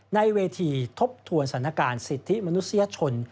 ในเวทีทบทวนสถานการณ์สิทธิมนุษยชน